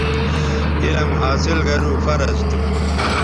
علم حاصل گرو فرض تھو